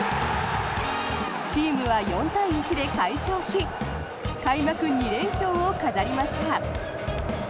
チームは４対１で快勝し開幕２連勝を飾りました。